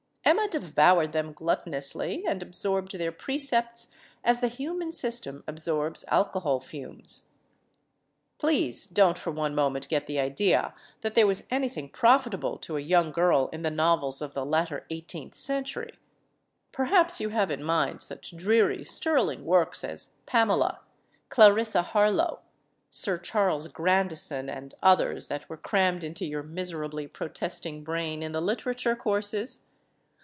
Emma devoured them gluttonously and absorbed their precepts as the human system absorbs alcohol fumes. LADY HAMILTON 253 Please don't for one moment get the idea that there was anything profitable to a young girl in the novels of the latter eighteenth century. Perhaps you have in mind such dreary sterling works as "Pamela," "Cla rissa Harlow," "Sir Charles Grandison," and others that were crammed into your miserably protesting brain in the Literature Courses.